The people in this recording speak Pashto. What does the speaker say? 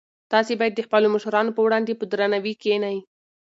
تاسي باید د خپلو مشرانو په وړاندې په درناوي کښېنئ.